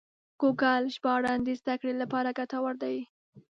ګوګل ژباړن د زده کړې لپاره ګټور دی.